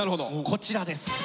こちらです。